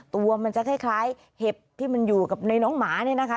ตัวมันจะคล้ายเห็บที่มันอยู่กับในน้องหมาเนี่ยนะคะ